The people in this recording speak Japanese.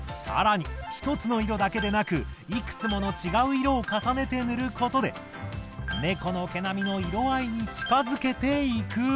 更に１つの色だけでなくいくつもの違う色を重ねて塗ることでネコの毛並みの色合いに近づけていく。